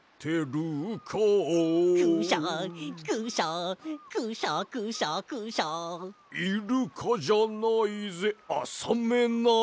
「クシャクシャクシャクシャクシャ」「イルカじゃないぜあサメなのさ」